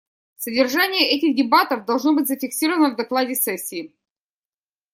Содержание этих дебатов должно быть зафиксировано в докладе сессии.